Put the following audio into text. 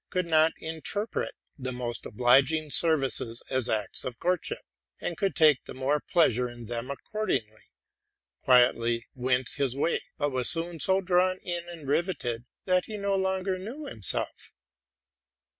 could not interpret the most obliging services as acts of courtship, and could take the more pleasure in them accord ingly, quietly went his way, but was soon so drawn in and riveted, that he no longer knew himself.